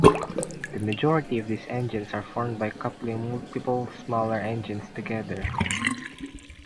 The majority of these engines are formed by coupling multiple smaller engines together.